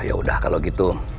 yaudah kalau gitu